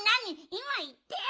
いまいってよ。